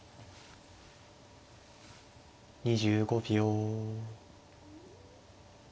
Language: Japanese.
２５秒。